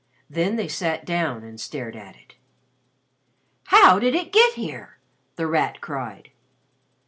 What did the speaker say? Then they sat down and stared at it. "How did it get here?" The Rat cried.